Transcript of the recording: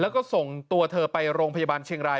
แล้วก็ส่งตัวเธอไปโรงพยาบาลเชียงราย